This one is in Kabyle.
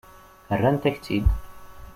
Rrant-ak-tt-id.